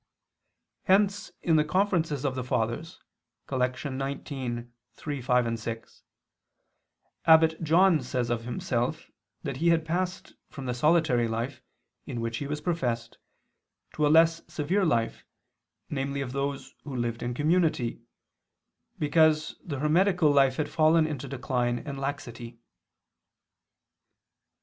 Hence in the Conferences of the Fathers (Coll. xix, 3, 5, 6) Abbot John says of himself that he had passed from the solitary life, in which he was professed, to a less severe life, namely of those who lived in community, because the hermetical life had fallen into decline and laxity.